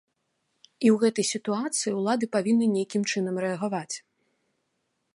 І ў гэтай сітуацыі ўлады павінны нейкім чынам рэагаваць.